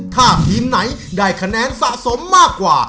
ถ้าทีมไหนได้คะแนนสะสมมากกว่า